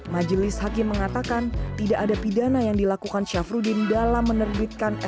majelis hakim mengatakan tidak ada pidana yang dilakukan syafruddin dalam menerbitkan